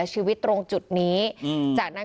ก็จะไม่รู้ว่ามีคนอยู่ข้างใน